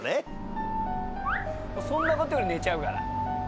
そんな事より寝ちゃうから。